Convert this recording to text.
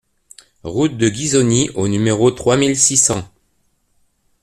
Route de Ghisoni au numéro trois mille six cents